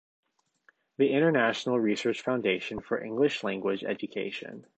The International Research Foundation for English Language Education.